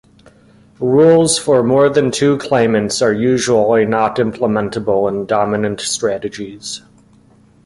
Rules for more than two claimants are usually not implementable in dominant strategies.